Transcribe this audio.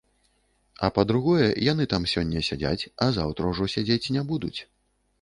А па-другое, яны там сёння сядзяць, а заўтра ўжо сядзець не будуць.